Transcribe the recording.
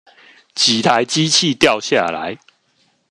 幾台機器掉下來